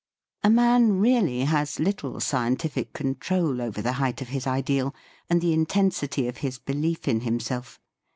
A man really has little scientific con trol over the height of his ideal and the intensity of his belief in himself.